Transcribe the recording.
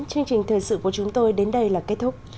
chương trình thời sự của chúng tôi đến đây là kết thúc